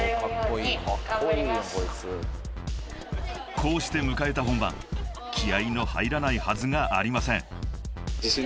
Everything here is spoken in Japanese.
［こうして迎えた本番気合の入らないはずがありません］